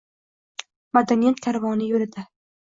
«Madaniyat karvoni» yo‘lda